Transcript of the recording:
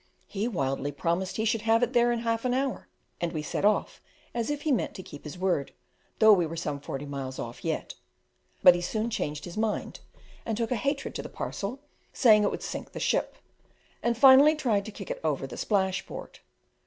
He wildly promised he should have it in half an hour, and we set off as if he meant to keep his word, though we were some forty miles off yet; but he soon changed his mind, and took a hatred to the parcel, saying it would "sink the ship," and finally tried to kick it over the splash board.